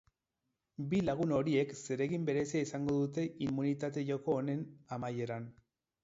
Bi lagun horiek zeregin berezia izango dute immunitate joko honen amaieran.